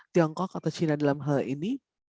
tiongkok atau china dalam hal ini